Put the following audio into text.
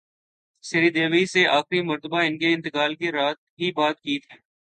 سری دیوی سے اخری مرتبہ انکے انتقال کی رات ہی بات کی تھی